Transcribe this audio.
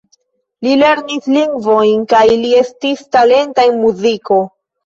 Li lernis lingvojn kaj li estis talenta en la muziko.